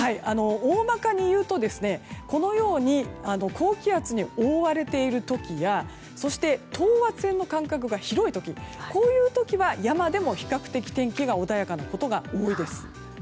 大まかにいうとこのように高気圧に覆われている時やそして、等圧線の間隔が広い時こういう時は山でも比較的天気が穏やかなことが多いです。